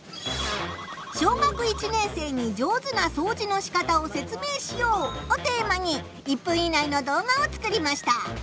「小学１年生に上手なそうじのしかたを説明しよう」をテーマに１分以内の動画を作りました。